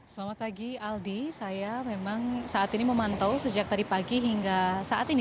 selamat pagi aldi saya memang saat ini memantau sejak tadi pagi hingga saat ini